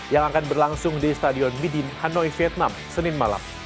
yang akan berlangsung di stadion midin hanoi vietnam senin malam